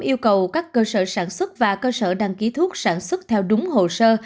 yêu cầu các cơ sở sản xuất và cơ sở đăng ký thuốc sản xuất theo đúng hồ sơ